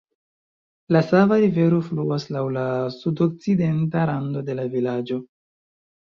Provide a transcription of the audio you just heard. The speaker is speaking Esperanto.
La Sava Rivero fluas laŭ la sudokcidenta rando de la vilaĝo.